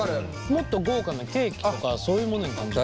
もっと豪華なケーキとかそういうものに感じる。